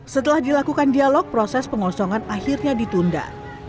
setelah dilakukan dialog proses pengosongan akhirnya ditunda